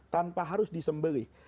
tanpa harus disembelih